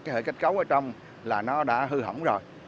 cái hệ kết cấu ở trong là nó đã hư hỏng rồi